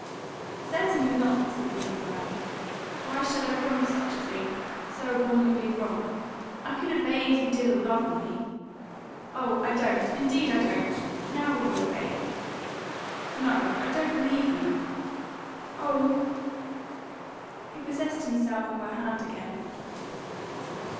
"Certainly not," said the young man. "Why should I promise such a thing so abominably wrong? I could obey if you didn't love me " "Oh, I don't! Indeed I don't! Now will you obey." "No. I don't believe you." "Oh!" He possessed himself of her hand again.